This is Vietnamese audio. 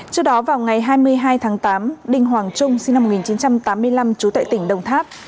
trước đó vào ngày hai mươi hai tháng tám đinh hoàng trung sinh năm một nghìn chín trăm tám mươi năm trú tại tỉnh đồng tháp